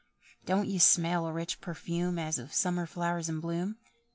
"Don't you smell a rich perfume As of summer flowers in bloom?